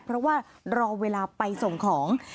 เพราะว่ารอเวลาไปส่งของ